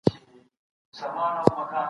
اسلام عقل ته په عقيده کي ونډه ورکړې ده.